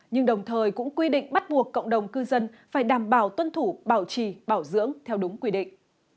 nhưng đồng thời cũng quy định bắt buộc cộng đồng cư dân phải đảm bảo tuân thủ bảo trì bảo dưỡng theo đúng quy định